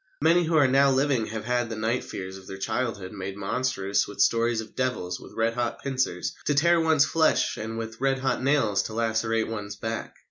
Many who are now living have had the night fears of their childhood made monstrous with stories of devils with red hot pincers to tear one's flesh and with red hot nails to lacerate one's back.